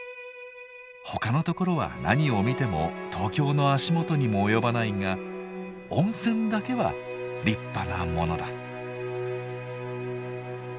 「ほかの所は何を見ても東京の足元にも及ばないが温泉だけは立派なものだ」。